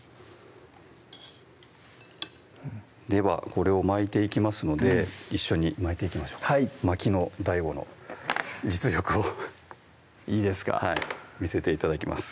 これを巻いていきますので一緒に巻いていきましょうはい巻きのＤＡＩＧＯの実力をいいですかはい見せて頂きます